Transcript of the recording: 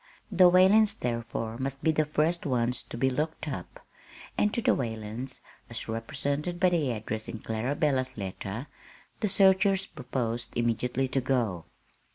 The Whalens, therefore, must be the first ones to be looked up; and to the Whalens as represented by the address in Clarabella's last letter the searchers proposed immediately to go.